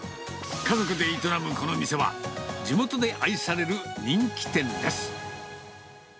家族で営むこの店は、地元で愛される人気店です。